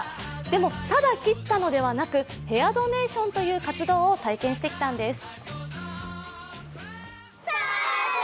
でも、ただ切ったのではなくヘアドネーションという活動を体験してきたんです。